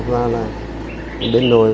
và là bên nội